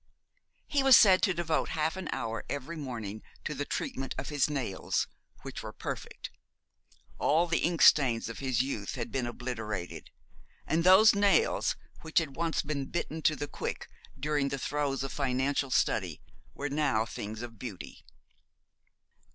He was said to devote half an hour every morning to the treatment of his nails, which were perfect. All the inkstains of his youth had been obliterated, and those nails which had once been bitten to the quick during the throes of financial study were now things of beauty.